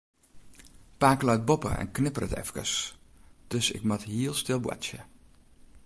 Pake leit boppe en knipperet efkes, dus ik moat hiel stil boartsje.